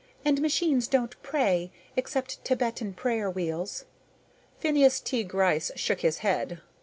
And machines don't pray, except Tibetan prayer wheels." Phineas T. Gryce shook his head.